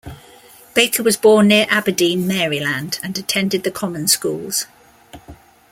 Baker was born near Aberdeen, Maryland and attended the common schools.